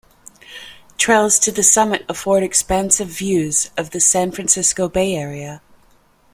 Trails to the summit afford expansive views of the San Francisco Bay Area.